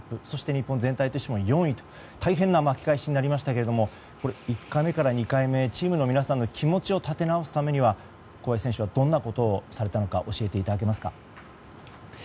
そして日本全体としても４位と大変な巻き返しになりましたが１回目から２回目チームの皆さんの気持ちを立て直すためには、小林選手はどんなことをされたのか教えていただけますか。